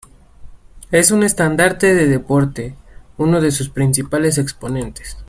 Es un estandarte de este deporte y uno de sus principales exponentes.